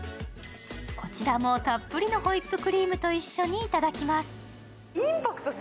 こちらもたっぷりのホイップクリームと一緒にいただきます。